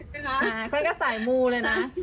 ใช่คนนั้นก็สายมูเลยนะ